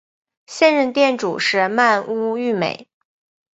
现任店主是鳗屋育美。